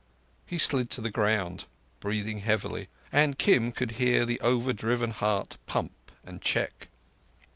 He slid to the ground, breathing heavily, and Kim could hear the over driven heart bump and check.